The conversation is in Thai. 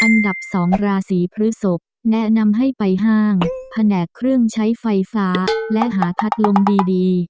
อันดับ๒ราศีพฤศพแนะนำให้ไปห้างแผนกเครื่องใช้ไฟฟ้าและหาพัดลมดี